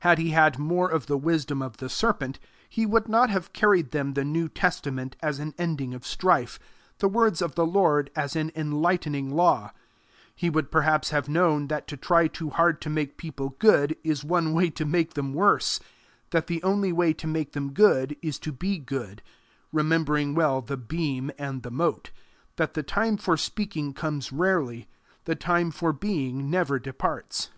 Had he had more of the wisdom of the serpent, he would not have carried them the New Testament as an ending of strife, the words of the Lord as an enlightening law; he would perhaps have known that to try too hard to make people good, is one way to make them worse; that the only way to make them good is to be good remembering well the beam and the mote; that the time for speaking comes rarely, the time for being never departs.